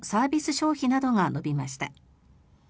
消費などが伸びました。